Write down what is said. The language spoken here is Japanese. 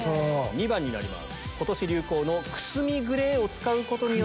２番になります。